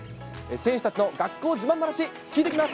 選手たちの学校自慢話、聞いてきます。